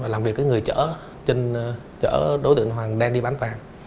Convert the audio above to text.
làm việc với người chở đối tượng hoàng đen đi bán vàng